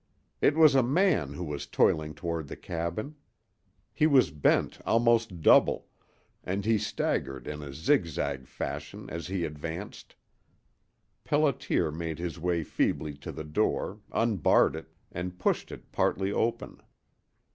It was a man who was toiling toward the cabin! He was bent almost double, and he staggered in a zigzag fashion as he advanced. Pelliter made his way feebly to the door, unbarred it, and pushed it partly open.